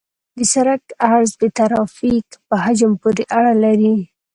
د سرک عرض د ترافیک په حجم پورې اړه لري